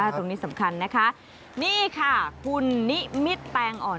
ตรงนี้สำคัญนะคะนี่ค่ะคุณนิมิตแตงอ่อน